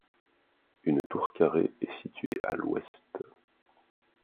Une tour carrée est située à l'ouest.